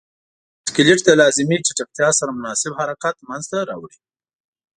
سکلیټ د لازمې چټکتیا سره مناسب حرکت منځ ته راوړي.